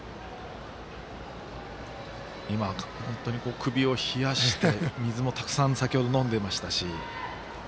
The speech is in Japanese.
今、首を冷やして水もたくさん飲んでいましたし。